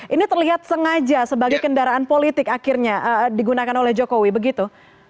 ini terlihat sengaja sebagai kendaraan politik akhirnya digunakan oleh jokowi begitu